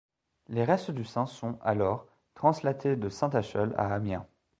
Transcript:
Les restes du saint sont, alors, translatés de Saint-Acheul à Amiens.